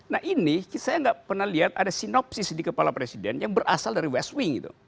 nah ini saya nggak pernah lihat ada sinopsis di kepala presiden yang berasal dari west wing